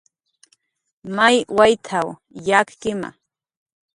"May wayt""w yakkima "